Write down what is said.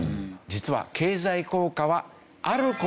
実は経済効果は。